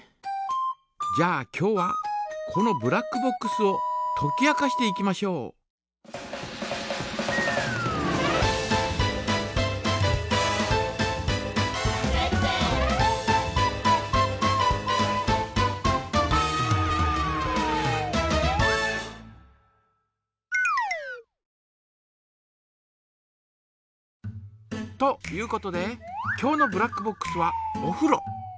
じゃあ今日はこのブラックボックスをとき明かしていきましょう。ということで今日のブラックボックスはおふろ。